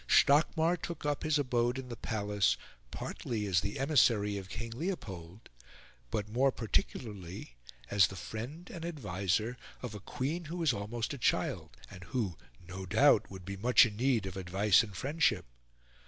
Stockmar took up his abode in the Palace partly as the emissary of King Leopold, but more particularly as the friend and adviser of a queen who was almost a child, and who, no doubt, would be much in need of advice and friendship.